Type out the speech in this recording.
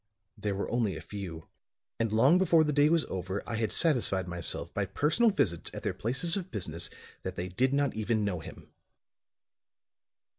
There were only a few, and long before the day was over I had satisfied myself by personal visits at their places of business that they did not even know him."